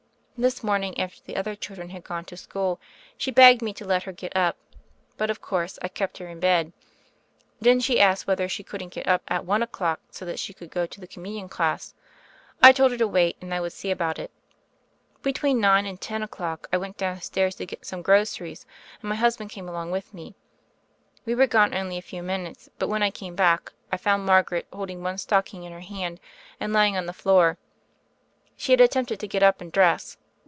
This morning, after the other chil dren had gone to school, she begged me to let her get up; but, of course, I kept her in bed. Then she asked whether she couldn't get up at one o'clock, so that she could go to the Com munion class. I told her to wait and I would see about it. Between nine and ten o'clock I went downstairs to get some groceries, and my husband came along with me. We were gone only a few minutes; but when I came back I found Margaret holding one stocking in her hand, and lying on the floor. She had attempted to get up and dress.